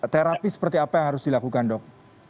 terapi seperti apa yang harus dilakukan dok